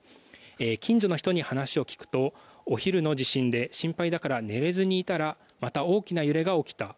近所の人に話を聞くとお昼の地震で心配だから寝れずにいたらまた大きな揺れが起きた。